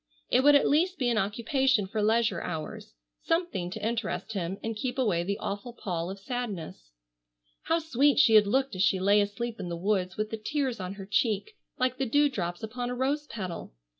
It would at least be an occupation for leisure hours, something to interest him and keep away the awful pall of sadness. How sweet she had looked as she lay asleep in the woods with the tears on her cheek like the dew drops upon a rose petal!